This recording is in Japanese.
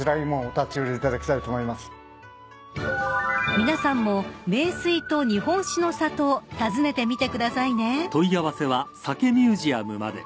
［皆さんも名水と日本酒の里を訪ねてみてくださいね］